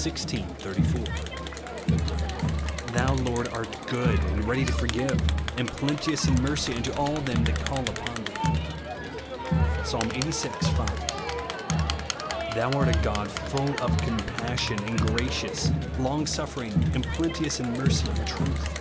xvi. 84), " Thou, Lord, art good, and ready to forgive, and plenteous in mercy unto all them that call upon thee," (Psa. Ixxxvi. 5) ;" thou art a God full of comjMSsion, and gracious, long sufering, and plenteous in mercy and truth," (Psa.